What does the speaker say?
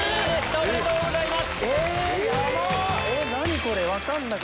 おめでとうございます。